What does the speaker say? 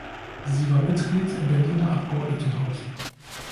Sie war Mitglied im Berliner Abgeordnetenhaus.